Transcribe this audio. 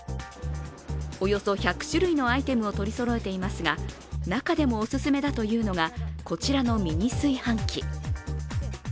およそ１００種類のアイテムを取りそろえていますが中でもお勧めだというのがこちらのミニ炊飯器。